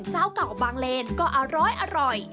เจ้าเก่าบางเลนก็อร้อย